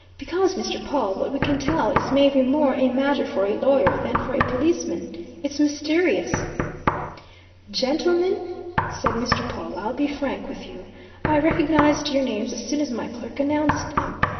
Because, Mr. Pawle, what we can tell is maybe more a matter for a lawyer than for a policeman. It's mysterious." "Gentlemen," said Mr. Pawle, "I'll be frank with you. I recognized your names as soon as my clerk announced them.